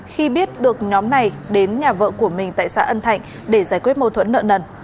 khi biết được nhóm này đến nhà vợ của mình tại xã ân thạnh để giải quyết mâu thuẫn nợ nần